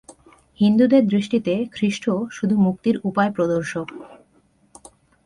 হিন্দুদের দৃষ্টিতে খ্রীষ্ট শুধু মুক্তির উপায়-প্রদর্শক।